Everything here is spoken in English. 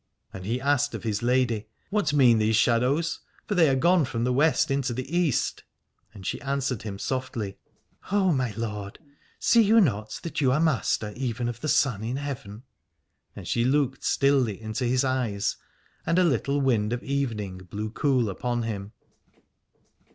And he asked of his lady : What mean these shadows, for they are gone from the West into the East. And she answered him softly : 264 Aladore O my lord, see you not that you are master even of the sun in heaven ? And she looked stilly into his eyes, and a little wind of even ing blew cool upon him.